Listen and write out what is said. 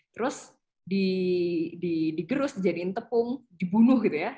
terus digerus dijadiin tepung dibunuh gitu ya